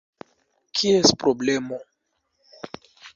Kies problemo?